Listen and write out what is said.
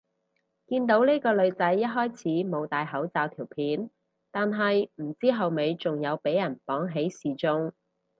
見到呢個女仔一開始冇戴口罩條片，但係唔知後尾仲有俾人綁起示眾